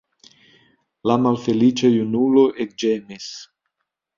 La malfeliĉa junulo ekĝemis.